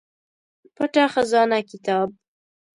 پټه خزانه کتاب